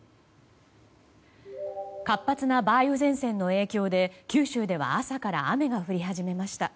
活発な梅雨前線の影響で九州では朝から雨が降り始めました。